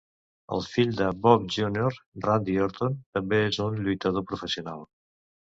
El fill de Bob Jr., Randy Orton, també és un lluitador professional.